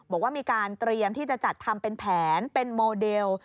บอกว่ามีการเตรียมที่จะจัดทำเป็นแผนเป็นโมเดล